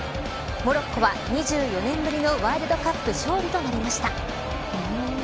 モロッコは、２４年ぶりのワールドカップ勝利となりました。